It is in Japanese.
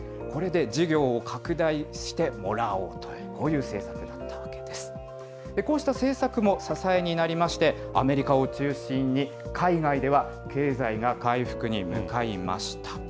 これで事業を拡大してもらおうという、こういう政策だったわけでこうした政策も支えになりまして、アメリカを中心に、経済が回復に向かいました。